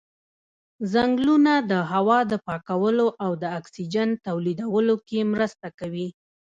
ځنګلونه د هوا د پاکولو او د اکسیجن تولیدولو کې مرسته کوي.